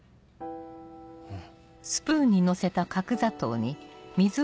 うん。